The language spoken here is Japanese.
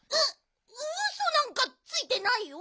ウウソなんかついてないよ！